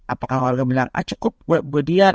apakah warga bilang cukup berbudian